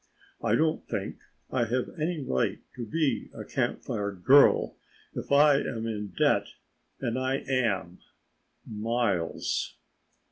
I don't think I have any right to be a Camp Fire girl if I am in debt, and I am miles!"